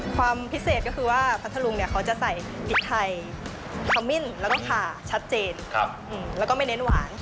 ความพิเศษก็คือว่าพัทธรุงเนี่ยเขาจะใส่พริกไทยขมิ้นแล้วก็ขาชัดเจนแล้วก็ไม่เน้นหวาน